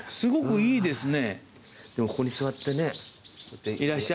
いいですね。